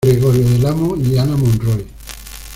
Gregorio Del Amo y Ana Monroy.